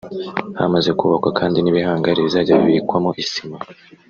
hamaze kubakwa kandi n’ibihangari bizajya bibikwamo isima